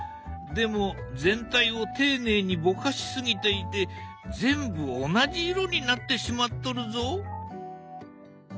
でも全体を丁寧にぼかしすぎていて全部同じ色になってしまっとるぞ。